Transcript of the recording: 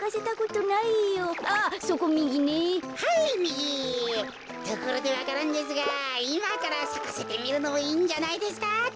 ところでわか蘭ですがいまからさかせてみるのもいいんじゃないですか？